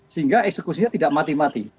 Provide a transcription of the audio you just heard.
sehingga eksekusinya tidak mati mati